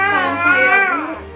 sekarang saya bu